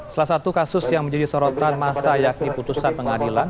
salah satu kasus yang menjadi sorotan masa yakni putusan pengadilan